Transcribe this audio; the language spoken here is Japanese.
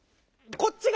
こっちは？